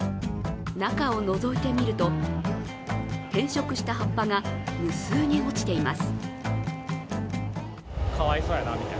中をのぞいてみると、変色した葉っぱが無数に落ちています。